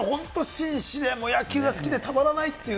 紳士で野球が好きでたまらないという。